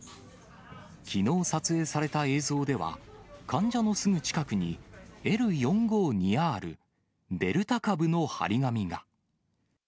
きのう撮影された映像では、患者のすぐ近くに、Ｌ４５２Ｒ、デルタ株の貼り紙が。